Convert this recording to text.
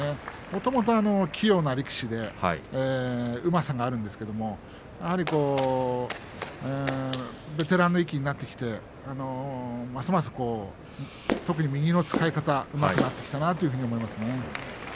もともと器用な力士でうまさがあるんですけれどやはりベテランの域になってきてますます、特に右の使い方がうまくなってきたなと思いますね。